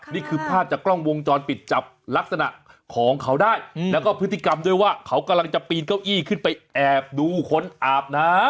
นี่คือภาพจากกล้องวงจรปิดจับลักษณะของเขาได้แล้วก็พฤติกรรมด้วยว่าเขากำลังจะปีนเก้าอี้ขึ้นไปแอบดูคนอาบน้ำ